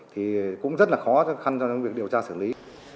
thì cũng rất là khó khăn trong việc điều tra xử lý